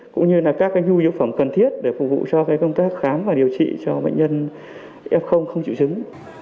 cũng như là các nhu yếu phẩm cần thiết để phục vụ cho công tác khám và điều trị cho bệnh nhân f không chịu chứng